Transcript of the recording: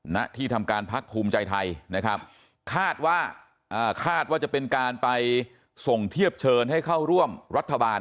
ณที่ทำการพักภูมิใจไทยนะครับคาดว่าคาดว่าจะเป็นการไปส่งเทียบเชิญให้เข้าร่วมรัฐบาล